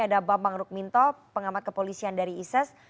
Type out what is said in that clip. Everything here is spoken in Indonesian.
ada bambang rukminto pengamat kepolisian dari isis